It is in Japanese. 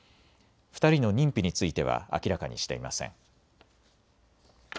２人の認否については明らかにしていません。